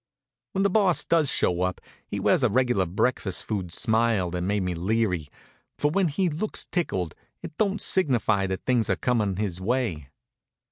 When the Boss does show up he wears a regular breakfast food smile that made me leary, for when he looks tickled it don't signify that things are coming his way.